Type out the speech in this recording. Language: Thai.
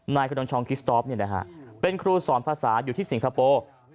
กระดองชองคิสตอฟเป็นครูสอนภาษาอยู่ที่สิงคโปร์